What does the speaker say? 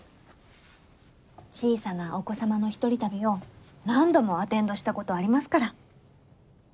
小さなお子様の一人旅を何度もアテンドした事ありますから。